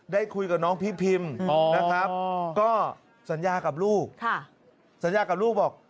ได้คุยกับน้องพี่พิมนะครับก็สัญญากับลูกสัญญากับลูกบอก